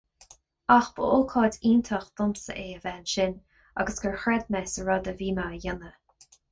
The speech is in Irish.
Ach b'ócáid iontach domsa é a bheith ansin, agus gur chreid mé sa rud a bhí mé a dhéanamh.